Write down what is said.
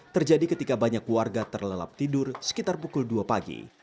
terjadi ketika banyak warga terlelap tidur sekitar pukul dua pagi